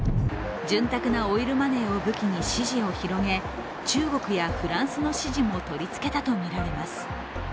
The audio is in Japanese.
潤沢なオイルマネーを武器に支持を広げ中国やフランスの支持も取り付けたとみられます。